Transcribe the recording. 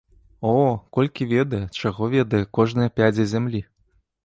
О, колькі ведае, чаго ведае кожная пядзя зямлі!